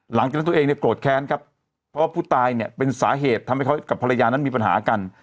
หลังจากนั้นตัวเองเนี่ยโกรธแค้นครับเพราะว่าผู้ตายเนี่ยเป็นสาเหตุทำให้เขากับภรรยานั้นมีปัญหากัน